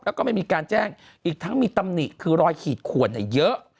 แล้วก็ไม่มีการแจ้งอีกทั้งมีตำหนิคือรอยขีดขวนเยอะ